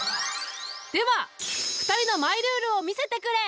では２人のマイルールを見せてくれ。